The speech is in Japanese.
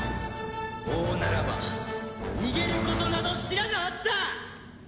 王ならば逃げることなど知らぬはずだ！